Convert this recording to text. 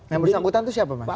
yang bersangkutan itu siapa mas